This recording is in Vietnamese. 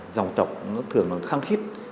dòng tộc thường khăng khít